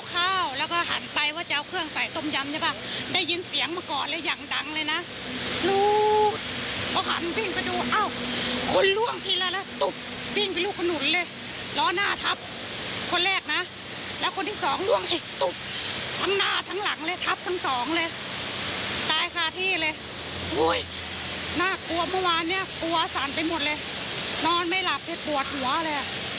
กลัวเมื่อวานเนี้ยกลัวสารไปหมดเลยนอนไม่หลับเนี้ยปวดหัวเลยอะ